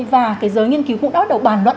và cái giới nghiên cứu cũng bắt đầu bàn luận